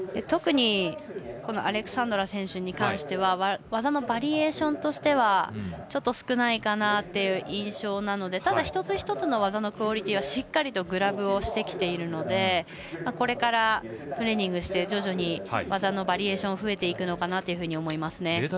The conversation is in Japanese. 特にアレクサンドラ選手に関しては技のバリエーションとしてはちょっと少ない印象なんですが一つ一つの技でしっかりグラブをしているのでこれからトレーニングして徐々に技のバリエーションが増えていくのかなと思いますね。